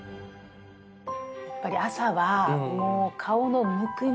やっぱり朝はもう顔のむくみ？